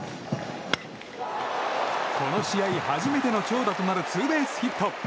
この試合初めての長打となるツーベースヒット。